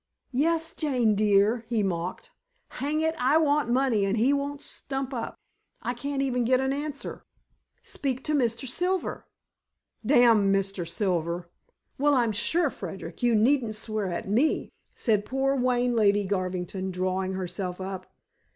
"Yes, Jane dear," he mocked. "Hang it, I want money, and he won't stump up. I can't even get an answer." "Speak to Mr. Silver." "Damn Mr. Silver!" "Well, I'm sure, Frederick, you needn't swear at me," said poor, wan Lady Garvington, drawing herself up.